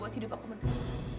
buat hidup aku menang